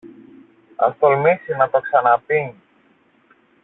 Ας τολμήσει να το ξαναπεί